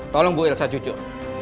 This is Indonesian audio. tolong bu elsa jujur